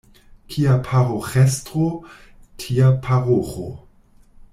Kia paroĥestro, tia paroĥo.